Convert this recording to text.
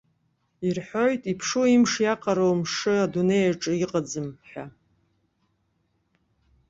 Ирҳәоит, иԥшу имш иаҟароу мшы адунеи аҿы иҟаӡам ҳәа.